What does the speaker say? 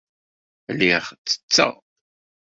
Lliɣ ttetteɣ.